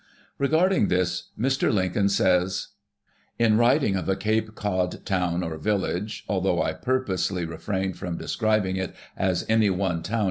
Regarding this Mr. Lincoln says : "In writing of a Cape Cod town or village, although I pur posely refrained from describing it as any one town in